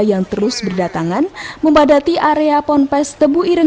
yang terus berdatangan memadati area pon pes tebu ireng